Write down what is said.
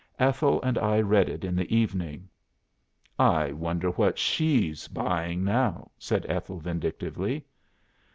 Ethel and I read it in the evening." "'I wonder what she's buying now?' said Ethel, vindictively."